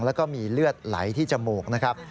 แล้วก็มีเลือดไหลที่จมูกนะครับ